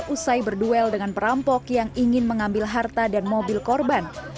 usai berduel dengan perampok yang ingin mengambil harta dan mobil korban